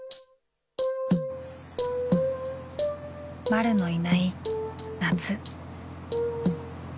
まるのいない夏。